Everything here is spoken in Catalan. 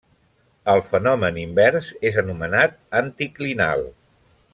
El fenomen invers és anomenat anticlinal.